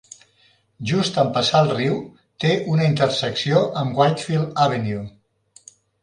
Just en passar el riu, té una intersecció amb Whitefield Avenue.